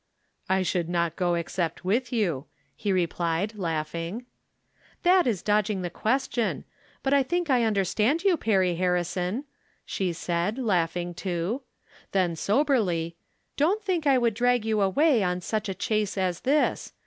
" I should not go except with you," he replied, laughing. " That is dodging the question. But I think I understand you. Perry Harrison," she said, laugh ing, too. Then, soberly :" Don't think I would drag you away on such a chase as this.